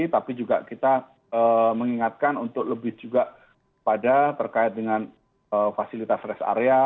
tapi juga kita mengingatkan untuk lebih juga pada terkait dengan fasilitas rest area